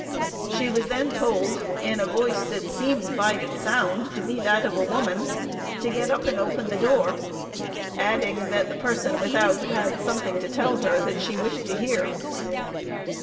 She was then told, in a voice that seemed by its sound to be that of a woman, to get up and open the door; adding, that the person without had something to tell her that she wished to hear.